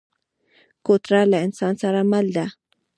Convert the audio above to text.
کوتره له انسان سره مل ده.